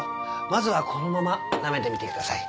まずはこのまま舐めてみてください。